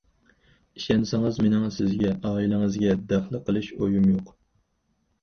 ئىشەنسىڭىز مېنىڭ سىزگە، ئائىلىڭىزگە دەخلى قىلىش ئويۇم يوق.